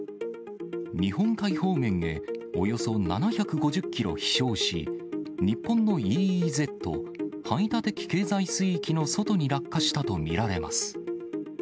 日本海方面へおよそ７５０キロ飛しょうし、日本のＥＥＺ・排他的経済水域の外に落下したと見られます。